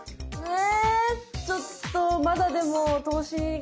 え？